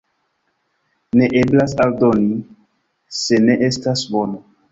Ne eblas aldoni, se ne estas mono.